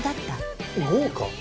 豪華？